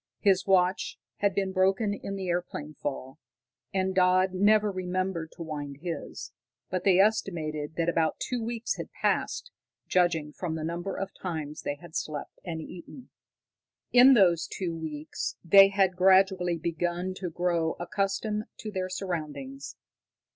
His watch had been broken in the airplane fall; and Dodd never remembered to wind his, but they estimated that about two weeks had passed, judging from the number of times they had slept and eaten. In those two weeks they had gradually begun to grow accustomed to their surroundings.